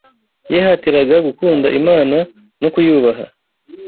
Yihatiraga gukunda Imana no kuyubaha